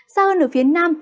xa hơn ở phía nam